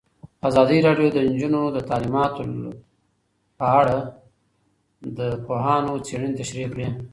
ازادي راډیو د تعلیمات د نجونو لپاره په اړه د پوهانو څېړنې تشریح کړې.